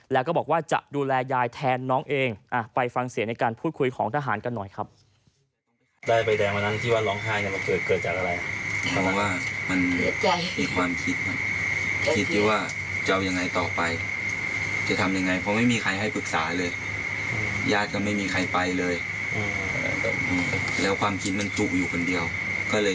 แล้วก็บอกว่าจะดูแลยายแทนน้องเองไปฟังเสียงในการพูดคุยของทหารกันหน่อยครับ